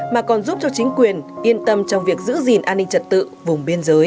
mà còn giúp cho chính quyền yên tâm trong việc giữ gìn an hình tật tự vùng biên giới